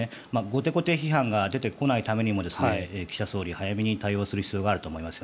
後手後手批判が出てこないためにも岸田総理は早めに対応する必要があると思います。